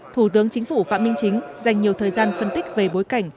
thủ tướng chính phủ phạm minh chính dành nhiều thời gian phân tích về bối cảnh